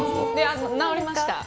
治りました。